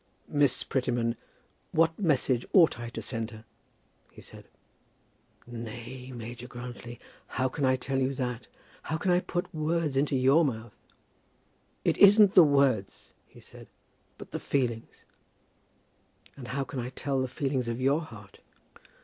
"Miss Prettyman, what message ought I to send to her?" he said. "Nay, Major Grantly, how can I tell you that? How can I put words into your mouth?" "It isn't the words," he said; "but the feelings." "And how can I tell the feelings of your heart?"